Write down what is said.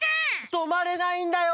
とまれないんだよ！